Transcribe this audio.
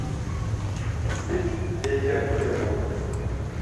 Vit deiǩe giğun.